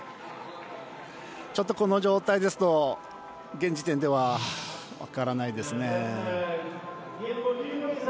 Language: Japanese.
この状態ですと現時点では分からないですね。